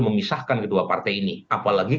memisahkan kedua partai ini apalagi